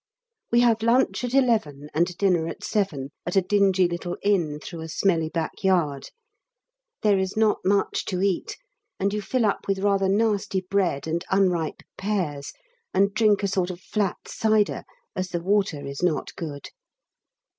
We have lunch at eleven and dinner at seven, at a dingy little inn through a smelly back yard; there is not much to eat, and you fill up with rather nasty bread and unripe pears, and drink a sort of flat cider, as the water is not good.